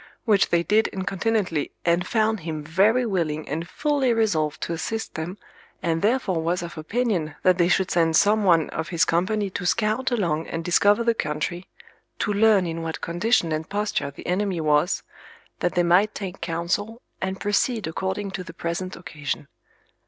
Which they did incontinently, and found him very willing and fully resolved to assist them, and therefore was of opinion that they should send some one of his company to scout along and discover the country, to learn in what condition and posture the enemy was, that they might take counsel, and proceed according to the present occasion.